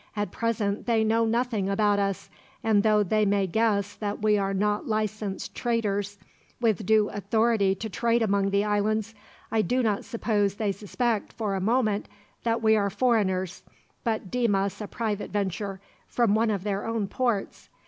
"At present they know nothing about us, and though they may guess that we are not licensed traders, with due authority to trade among the islands, I do not suppose they suspect, for a moment, that we are foreigners; but deem us a private venture, from one of their own ports.